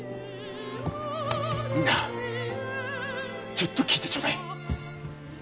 みんなちょっと聞いてちょうだい。